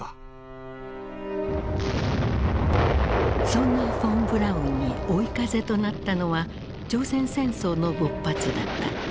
そんなフォン・ブラウンに追い風となったのは朝鮮戦争の勃発だった。